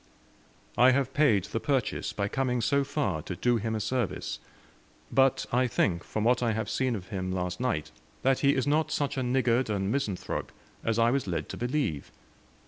I have paid the purchase, by coming so far to do him a service. But I think, from what I have seen of him last night, that he is not such a niggard and misanthrope as I was led to believe.